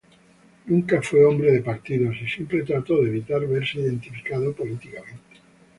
Nunca fue hombre de partidos y siempre trató de evitar verse identificado políticamente.